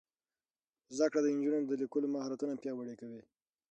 زده کړه د نجونو د لیکلو مهارتونه پیاوړي کوي.